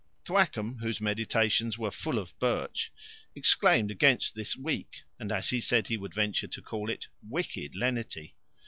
Thwackum, whose meditations were full of birch, exclaimed against this weak, and, as he said he would venture to call it, wicked lenity.